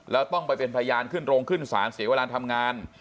แล้วต้องไปเป็นพยานขึ้นโรงขึ้นศาลเสียเวลาทำงาน